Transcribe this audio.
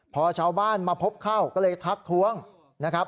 พอชาวบ้านมาพบเข้าก็เลยทักท้วงนะครับ